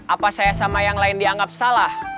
apa saya sama yang lain dianggap salah